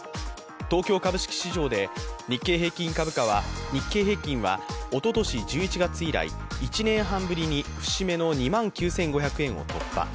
東京株式市場で日経平均はおととし１１月以来１年半ぶりに節目の２万９５００円を突破。